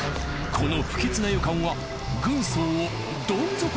この不吉な予感は。